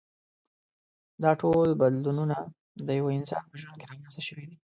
دا ټول بدلونونه د یوه انسان په ژوند کې رامنځته شوي دي.